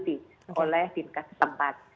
itu akan dilakukan oleh dinkas tempat